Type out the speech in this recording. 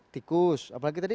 tikus apalagi tadi